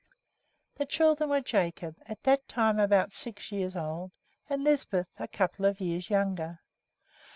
The children were Jacob, at that time about six years old, and Lisbeth, a couple of years younger.